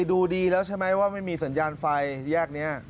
ดูดีแล้วใช่ไหมว่าไม่มีสัญญาณไฟแยกนี้